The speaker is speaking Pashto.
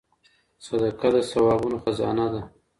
صدقه د ثوابونو خزانه ده.